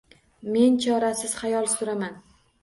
Men chorasiz xayol suraman